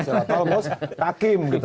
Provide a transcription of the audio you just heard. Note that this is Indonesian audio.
jalan tol terus takim gitu